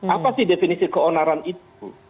apa sih definisi keonaran itu